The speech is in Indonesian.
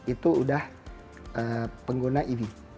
itu sudah pengguna ev